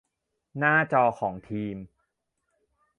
หน้าจอของทีม